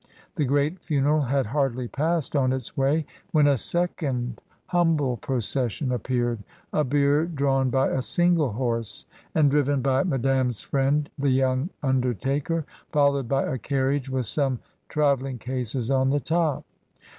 The great funeral had hardly passed on its way when a second humble procession ap peared— a bier, drawn by a single horse, and driven by Madame's friend the young undertaker, followed by a carriage with some travelling cases on the top.